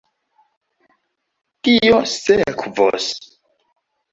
Kio sekvos?